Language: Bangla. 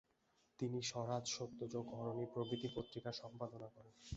তিনি 'স্বরাজ', 'সত্যযুগ', 'অরণি' প্রভৃতি পত্রিকা সম্পাদনা করেন।